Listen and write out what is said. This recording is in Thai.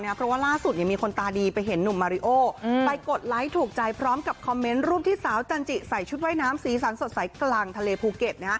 เพราะว่าล่าสุดมีคนตาดีไปเห็นหนุ่มมาริโอไปกดไลค์ถูกใจพร้อมกับคอมเมนต์รูปที่สาวจันจิใส่ชุดว่ายน้ำสีสันสดใสกลางทะเลภูเก็ต